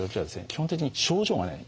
基本的に症状がない。